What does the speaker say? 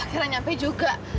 akhirnya nyampe juga